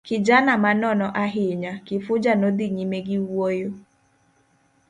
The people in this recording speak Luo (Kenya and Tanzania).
Kijana ma nono ahinya, Kifuja nodhi nyime giwuoyo.